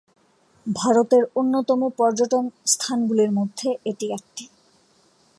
ভারতের অন্যতম পর্যটন স্থান গুলির মধ্যে এটি একটি।